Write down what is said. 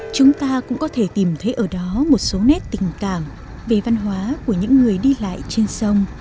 chúng ta cũng có thể tìm thấy ở đó một số nét tình cảm về văn hóa của những người đi lại trên sông